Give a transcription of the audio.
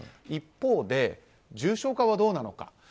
一方で、重症化はどうなのか。